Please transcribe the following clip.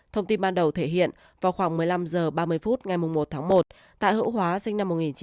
thông tin ban đầu thể hiện vào khoảng một mươi năm h ba mươi phút ngày một tháng một tạ hữu hóa sinh năm một nghìn chín trăm bảy mươi